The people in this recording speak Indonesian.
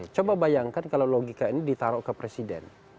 coba bayangkan kalau logika ini ditaruh ke presiden